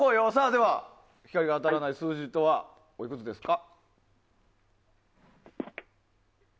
では、光が当たらない数字とはおいくつですか？